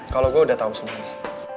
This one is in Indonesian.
kalau gue udah tahu semuanya